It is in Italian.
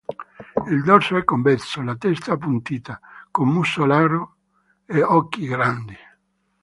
Il dorso è convesso, la testa appuntita, con muso largo e occhi grandi.